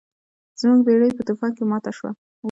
زموږ بیړۍ په طوفان کې ماته شوه.